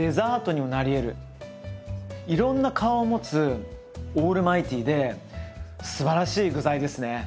いろんな顔を持つオールマイティーですばらしい具材ですね。